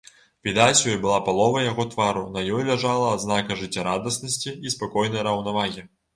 Відаць ёй была палова яго твару, на ёй ляжала адзнака жыццярадаснасці і спакойнай раўнавагі.